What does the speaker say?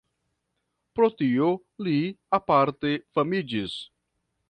Pro tio li aparte famiĝis.